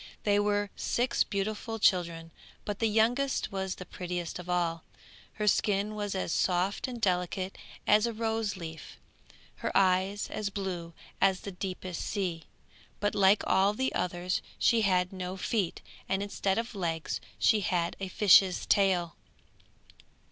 They were six beautiful children, but the youngest was the prettiest of all; her skin was as soft and delicate as a roseleaf, her eyes as blue as the deepest sea, but like all the others she had no feet, and instead of legs she had a fish's tail.